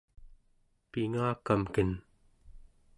pingakamken